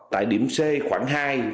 tại điểm c khoảng hai